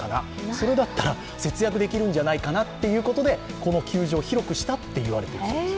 それだったら節約できるんじゃないかなということでこの球場を広くしたと言われたそうです。